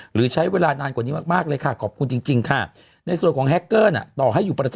หรือใช้เวลานานกว่านี้มากเลยค่ะขอบคุณจริงค่ะ